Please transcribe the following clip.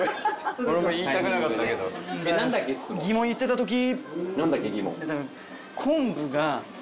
疑問言ってたとき。